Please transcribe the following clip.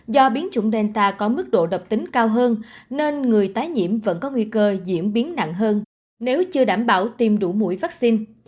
do biến chủng delta có mức độ độc tính cao hơn nên người tái nhiễm vẫn có nguy cơ diễn biến nặng hơn nếu chưa đảm bảo tiêm đủ mũi vaccine